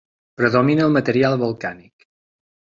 Predomina el material volcànic.